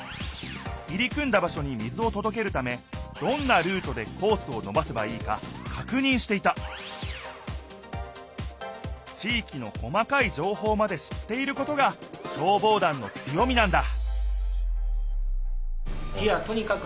入り組んだ場しょに水をとどけるためどんなルートでホースをのばせばいいかかくにんしていた地いきの細かい情報まで知っていることが消防団の強みなんだ